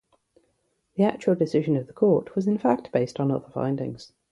The actual decision of the court was in fact based on other findings.